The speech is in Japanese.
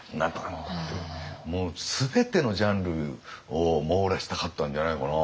もう全てのジャンルを網羅したかったんじゃないのかな。